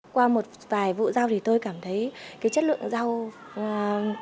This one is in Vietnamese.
qua một vài vụ rau thì tôi cảm thấy chất lượng rau cũng rất là đẹp